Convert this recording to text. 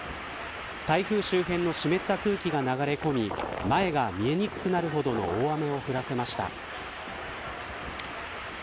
台風周辺の湿った空気が流れ込み前が見えにくくなるほどの大雨を降らせました。